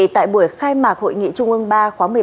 tại buổi khai mạc hội nghị trung ương ba khóa một mươi ba